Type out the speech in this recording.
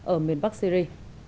ở miền bắc syri